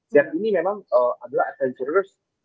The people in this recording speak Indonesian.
z ini memang adalah agensi yang berbeda